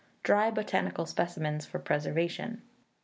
Dry Botanical Specimens for Preservation.